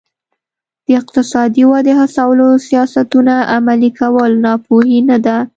د اقتصادي ودې هڅولو سیاستونه عملي کول ناپوهي نه ده.